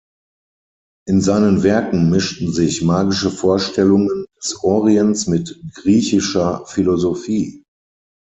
In seinen Werken mischten sich magische Vorstellungen des Orients mit griechischer Philosophie.